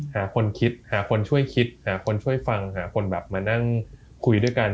หาคนคิดหาคนช่วยคิดหาคนช่วยฟังหาคนแบบมานั่งคุยด้วยกัน